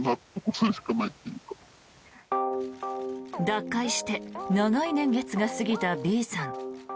脱会して長い年月が過ぎたＢさん。